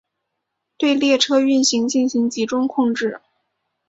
对列车运行进行集中控制。